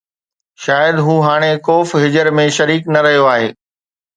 شايد هو هاڻي ڪوف ِ حجر ۾ شريڪ نه رهيو آهي